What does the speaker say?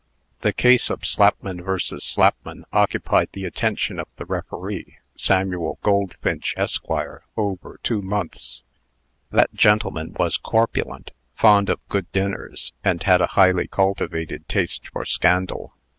The case of Slapman vs. Slapman occupied the attention of the referee, Samuel Goldfinch, Esq., over two months. That gentleman was corpulent, fond of good dinners, and had a highly cultivated taste for scandal.